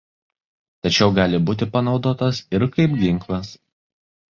Tačiau gali būti panaudotas ir kaip ginklas.